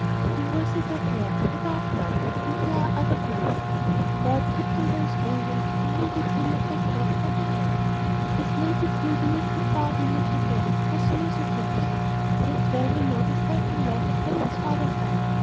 The voices are there, I doubt not, and there are other boys. God keep them boys always, and may they dream not backward, but ahead! This lazy pool beneath the far wing of the dam, how smooth it looks! Yet well we know the sunken log upon its farther side.